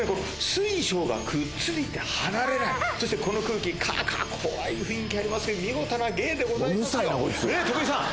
水晶がくっついて離れないそしてこの空気カアカア怖い雰囲気ありますけど見事な芸でございますよねえ徳井さん